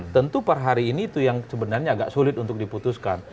tentu per hari ini itu yang sebenarnya agak sulit untuk diputuskan